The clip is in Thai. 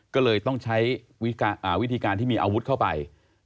ก็เลยต้องใช้วิธีการที่มีอาวุธเข้าไป